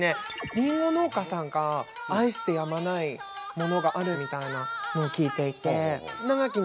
りんご農家さんが愛してやまないものがあるみたいなのを聞いていて。